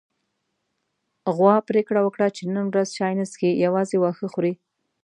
غوا پرېکړه وکړه چې نن ورځ چای نه څښي، يوازې واښه خوري.